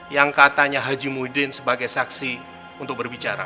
yang katanya haji muhyiddin sebagai saksi untuk berbicara